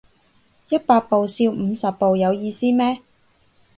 一百步笑五十步有意思咩